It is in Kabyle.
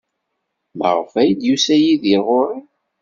Maɣef ay d-yusa Yidir ɣer-i?